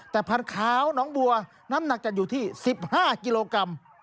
แต่ผัดขาวน้องบัวน้ำหนักจะอยู่ที่๑๕กิโลกรัม